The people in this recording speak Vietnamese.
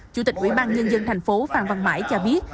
chủ tịch ủy ban nhân dân tp hcm pham văn bãi cho biết